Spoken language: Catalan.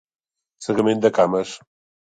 Segament de cames.